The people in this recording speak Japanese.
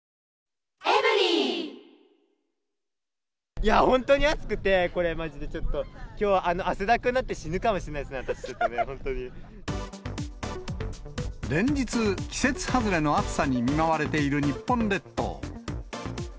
いやぁ、本当に暑くて、これ、まじでちょっと、きょう、汗だくになって死ぬかもしれない連日、季節外れの暑さに見舞われている日本列島。